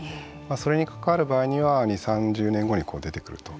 それに関わる場合には２０３０年後に出てくると。